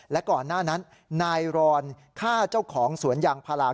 และก่อนหน้านั้นนายรอนฆ่าเจ้าของสวนยางพารา